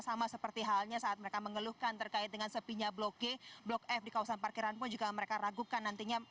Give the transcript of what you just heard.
sama seperti halnya saat mereka mengeluhkan terkait dengan sepinya blok g blok f di kawasan parkiran pun juga mereka ragukan nantinya